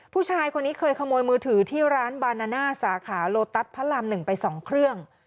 ผู้ชายคนนี้เคยขโมยมือถือที่ร้านบานาน่าสาขาโลตัสพระราม๑ไป๒เครื่อง